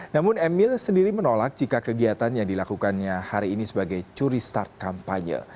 namun emil sendiri menolak jika kegiatan yang dilakukannya hari ini sebagai curi start kampanye